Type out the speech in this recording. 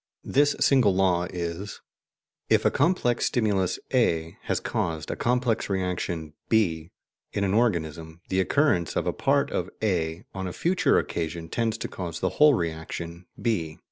This single law is: IF A COMPLEX STIMULUS A HAS CAUSED A COMPLEX REACTION B IN AN ORGANISM, THE OCCURRENCE OF A PART OF A ON A FUTURE OCCASION TENDS TO CAUSE THE WHOLE REACTION B.